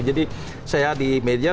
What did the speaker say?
jadi saya di media saya